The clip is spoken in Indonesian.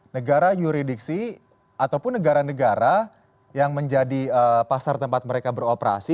negara yuridiksi ataupun negara negara yang menjadi pasar tempat mereka beroperasi